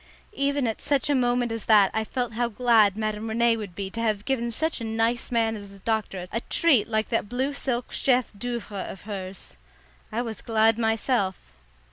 Even at such a moment as that I felt how glad Madame Rene would have been to have given such a nice man as the doctor a treat like that blue silk chef d'oeuvre of hers. I was glad myself.